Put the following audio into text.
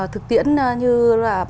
thực tiễn như là